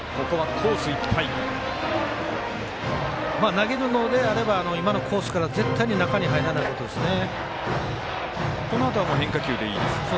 投げるのであれば今のコースから絶対に中に入らないことですね。